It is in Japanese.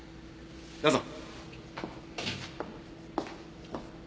どうぞ。